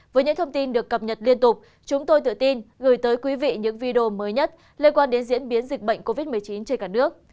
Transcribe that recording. với những thông tin được cập nhật liên tục chúng tôi tự tin gửi tới quý vị những video mới nhất liên quan đến diễn biến dịch bệnh covid một mươi chín trên cả nước